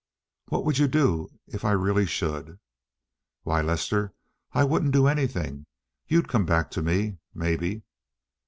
"What would you do if I really should?" "Why, Lester, I wouldn't do anything. You'd come back to me, maybe."